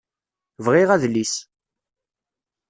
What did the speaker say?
Bɣiɣ adlis.